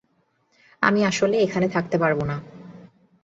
আমি আসলেই এখানে থাকতে পারবো না।